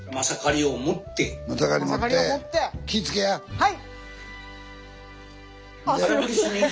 はい。